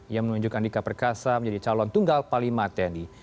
yang menunjukkan andika perkasa menjadi calon tunggal panglima tni